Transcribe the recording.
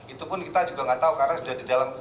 itu pun kita juga nggak tahu karena sudah di dalam